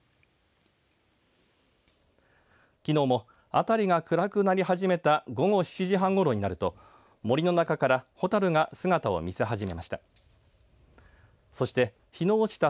きのうも辺りが暗くなり始めた午後７時半ごろになると森の中からホタルが姿を見せ始めました。